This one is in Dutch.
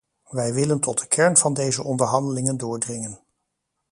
Wij willen tot de kern van deze onderhandelingen doordringen.